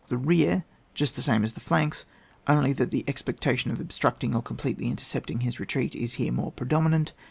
The rear, just the same as the flanks, only that the expectation of ob structing or completely intercepting his retreat is here more predominant.